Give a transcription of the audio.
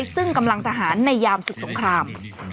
ซึ่งกำลังทหารในยามศึกสงคราม